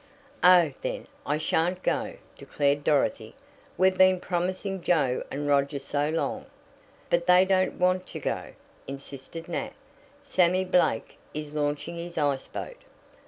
"Oh, then I shan't go," declared Dorothy. "We've been promising Joe and Roger so long." "But they don't want to go," insisted Nat. "Sammy Blake is launching his iceboat."